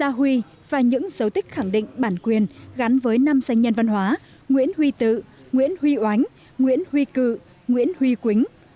mộc bản truyền gia huy và những dấu tích khẳng định bản quyền gắn với năm danh nhân văn hóa nguyễn huy tự nguyễn huy oánh nguyễn huy cự nguyễn huy quính